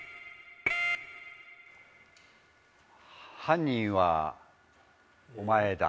犯人はお前だ。